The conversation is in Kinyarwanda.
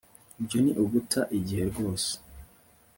ibyo ni uguta igihe rwose